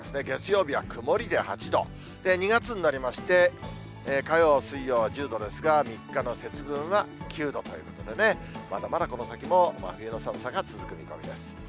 月曜日は曇りで８度、２月になりまして、火曜、水曜１０度ですが、３日の節分は９度ということでね、まだまだこの先も真冬の寒さが続く見込みです。